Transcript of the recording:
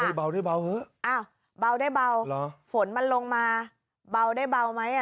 เบาได้เบาเถอะอ้าวเบาได้เบาเหรอฝนมันลงมาเบาได้เบาไหมอ่ะ